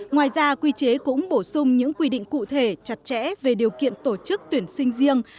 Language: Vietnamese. ngoài ra quy chế cũng bổ sung những quy định cụ thể chặt chẽ về điều kiện tổ chức tuyển sinh riêng